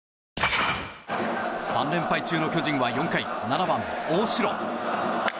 ３連敗中の巨人は４回７番、大城。